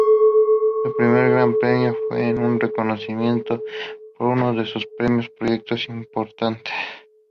Su primer gran premio fue en reconocimiento por uno de sus primeros proyectos importantes.